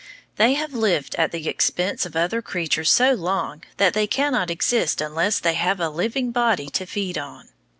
They have lived at the expense of other creatures so long that they cannot exist unless they have a living body to feed on.